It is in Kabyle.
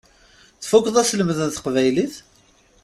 Tfukkeḍ aselmed n teqbaylit?